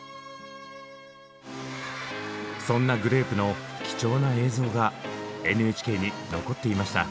そんなグレープの貴重な映像がＮＨＫに残っていました。